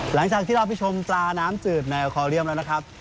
หลังจากที่เราไปชมปลาน้ำจืดแนวคอเรียมแล้วนะครับ